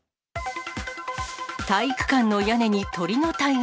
体育館の屋根に鳥の大群。